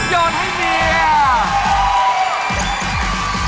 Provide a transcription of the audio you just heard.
ห้องยอดให้เมีย